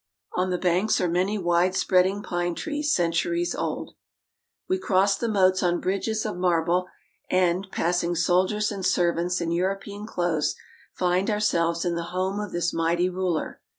On the banks are many widespreading pine trees centuries old. We cross the moats on bridges of marble, and, passing soldiers and servants in European clothes, find ourselves in the home of this mighty ruler.